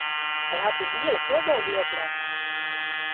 Hy hat in hiele klobbe oan dy opdracht.